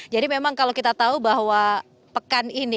jadi memang kalau kita tahu bahwa pekan ini